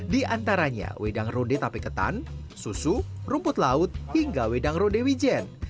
di antaranya wedang ronde tape ketan susu rumput laut hingga wedang ronde wijen